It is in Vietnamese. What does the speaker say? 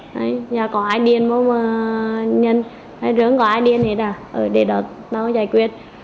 nhà có ai điên không nhân hay rưỡng có ai điên thì ở đề đợt nó giải quyết